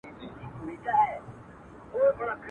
گاهي ادې لاندي، گاهي بابا.